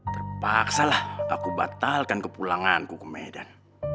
terpaksalah aku batalkan kepulanganku ke medan